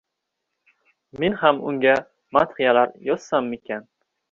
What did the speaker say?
Men ham unga madhiyalar yozsammikan?